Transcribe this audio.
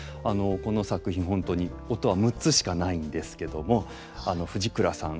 この作品本当に音は６つしかないんですけども藤倉さん